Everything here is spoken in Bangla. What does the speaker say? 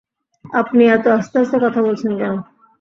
আপনি এতো আস্তে-আস্তে কথা বলছেন কেন?